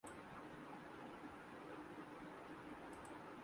اور جنہیں متبادل قرار دیا جا رہا ان کے خود تبدیل ہونے کا وقت آ گیا ہے ۔